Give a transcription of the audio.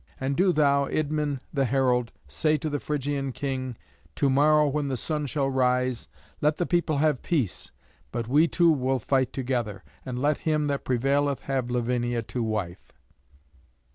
And do thou, Idmon the herald, say to the Phrygian king, 'To morrow, when the sun shall rise, let the people have peace, but we two will fight together. And let him that prevaileth have Lavinia to wife.'"